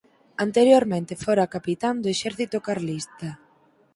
Anteriormente fora capitán do exército carlista.